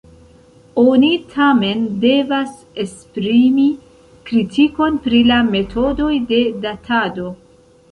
Oni, tamen, devas esprimi kritikon pri la metodoj de datado.